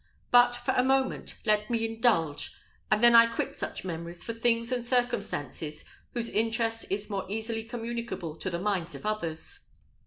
But for a moment, let me indulge, and then I quit such memories for things and circumstances whose interest is more easily communicable to the minds of others.